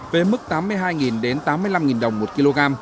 về mức tám mươi hai đến tám mươi năm đồng một kg